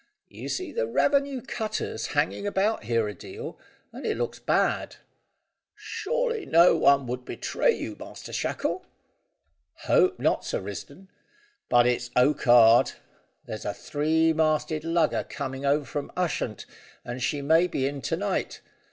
"You see the revenue cutter's hanging about here a deal, and it looks bad." "Surely no one would betray you, Master Shackle?" "Hope not, Sir Risdon; but it's okkard. There's a three masted lugger coming over from Ushant, and she may be in to night.